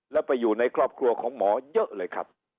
แล้วไปอยู่ในครอบครัวของหมอเยอะเลยครับ